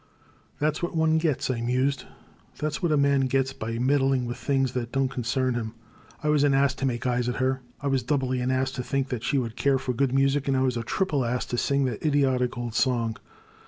'*That *s what one gets,*' I mused, that 's what a man gets by meddling with things that don't concern him ! I was an ass to make eyes at her. I was doubly an ass to think that she would care for good music — I was a triple ass to sing that idiotic old song.